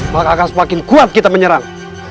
maka akan semakin kuat kita menyerang